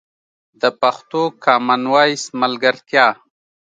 د پښتو کامن وایس ملګرتیا